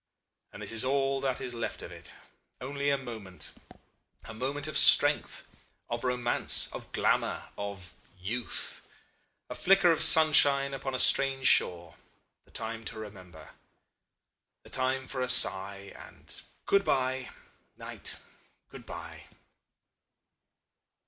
And this is all that is left of it! Only a moment; a moment of strength, of romance, of glamour of youth!... A flick of sunshine upon a strange shore, the time to remember, the time for a sigh, and good bye! Night Good bye...!"